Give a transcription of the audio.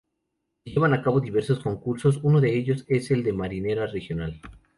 Se llevan a cabo diversos concursos, uno de ellos es el de Marinera Regional.